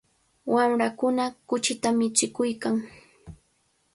Wamrakuna kuchita michikuykan.